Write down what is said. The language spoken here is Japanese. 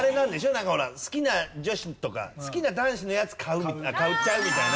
なんかほら好きな女子とか好きな男子のやつ買っちゃうみたいな。